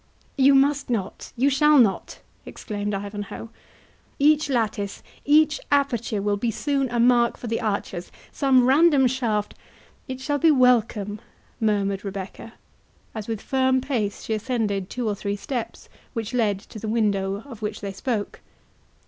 "You must not—you shall not!" exclaimed Ivanhoe; "each lattice, each aperture, will be soon a mark for the archers; some random shaft—" "It shall be welcome!" murmured Rebecca, as with firm pace she ascended two or three steps, which led to the window of which they spoke.